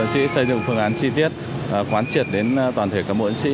xây dựng phương án chi tiết quán triệt đến toàn thể các bộ ấn sĩ